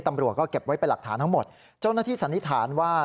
ตำรวจก็เก็บไว้เป็นหลักฐานทั้งหมดเจ้าหน้าที่สันนิษฐานว่า